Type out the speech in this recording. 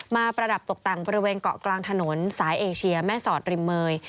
ประดับตกแต่งบริเวณเกาะกลางถนนสายเอเชียแม่สอดริมเมย